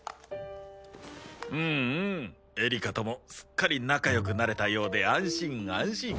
うんうんエリカともすっかり仲良くなれたようで安心安心！